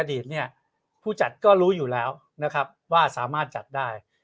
อดีตเนี่ยผู้จัดก็รู้อยู่แล้วนะครับว่าสามารถจัดได้